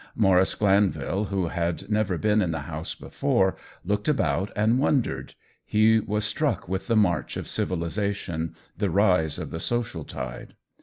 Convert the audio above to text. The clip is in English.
Maurice Glanvil, who had never been in the house before, looked about and wondered; he was struck with the march of civilization — the rise of the social tide.